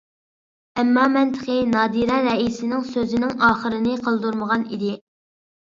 ئەمما، مەن تېخى. نادىرە رەئىسنىڭ سۆزىنىڭ ئاخىرىنى قىلدۇرمىغان ئىدى.